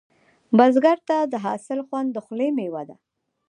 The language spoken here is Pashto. بزګر ته د حاصل خوند د خولې میوه ده